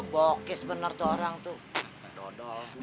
bokis bener tuh orang tuh